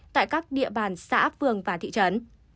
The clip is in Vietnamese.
tại các địa bàn xã phường và thị trấn